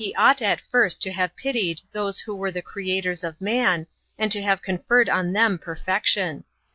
ought at first to have pitied those who were the creators of man, and to have conferred on them perfection.